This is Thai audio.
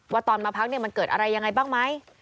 ว่าตอนมาพักมันเกิดอะไรยังไงบ้างไหม